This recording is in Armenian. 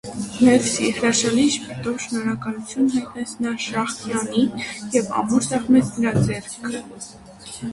- Մերսի, հրաշալի ժպիտով շնորհակալություն հայտնեց նա Շահյանին և ամուր սեղմեց նրա ձեռքը: